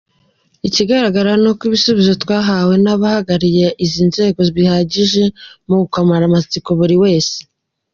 Ikigaragara ni uko ibisubizo twahawe n’abahagarariye izi bihagije mu kumara amatsiko buri wese.